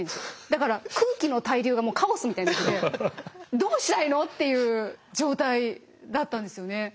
だから空気の対流がカオスみたいになってて「どうしたいの？」っていう状態だったんですよね。